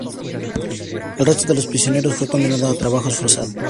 El resto de los prisioneros fue condenado a trabajos forzados.